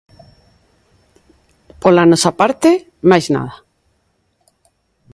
Pola nosa parte, máis nada.